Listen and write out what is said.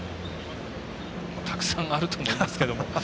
たくさんあると思いますけども。